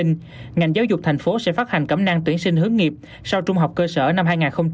ngành giáo dục thành phố sẽ phát hành cẩm năng tuyển sinh hướng nghiệp sau trung học cơ sở năm hai nghìn một mươi chín